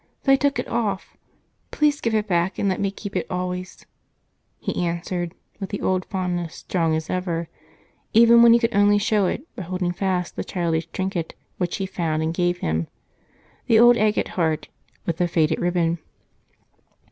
They took it off please give it back and let me keep it always," he answered with the old fondness strong as ever, even when he could show it only by holding fast the childish trinket which she found and had given him the old agate heart with the faded ribbon.